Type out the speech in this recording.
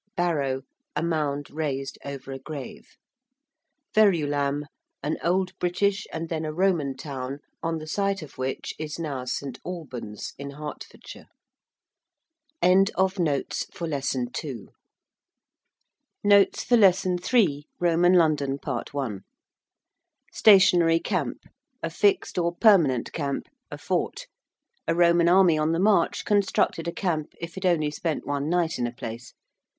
~barrow~: a mound raised over a grave. ~Verulam~: an old British, and then a Roman town, on the site of which is now St. Albans, in Hertfordshire. 3. ROMAN LONDON. PART I. ~Stationary camp~: a fixed or permanent camp; a fort. A Roman army on the march constructed a camp if it only spent one night in a place.